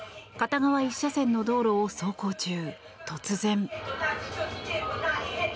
片側１車線の道路を走行中突然。